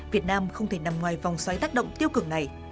việt nam không thể nằm ngoài vòng xoáy tác động tiêu cực này